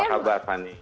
apa kabar hanif